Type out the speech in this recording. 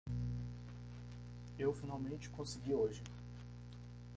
Eu finalmente consegui hoje.